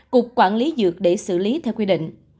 cục quản lý dược để xử lý theo quy định